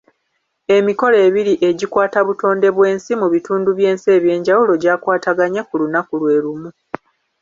Emikolo ebiri egikwata butonde bw'ensi mu bitundu by'ensi eby'enjawulo gyakwataganye ku lunaku lwe lumu.